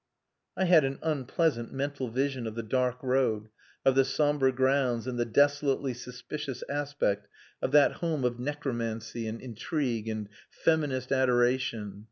I had an unpleasant mental vision of the dark road, of the sombre grounds, and the desolately suspicious aspect of that home of necromancy and intrigue and feminist adoration.